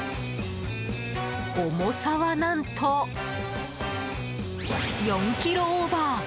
重さは何と、４ｋｇオーバー！